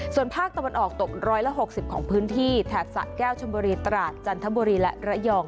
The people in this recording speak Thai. ส่วนภาคตะวันออกตก๑๖๐ของพื้นที่แถบสะแก้วชมบุรีตราดจันทบุรีและระยอง